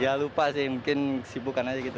ya lupa sih mungkin sibukan aja gitu